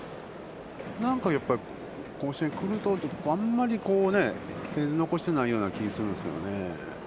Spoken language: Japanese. なんかやっぱり甲子園に来ると、あまり残してないような気がするんですけどね。